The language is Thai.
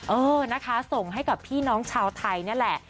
เออนะคะส่งให้กับพี่น้องชาวไทยนี่แหละ